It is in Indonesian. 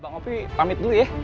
bang opy pamit dulu ya